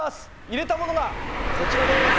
入れたものがこちらです。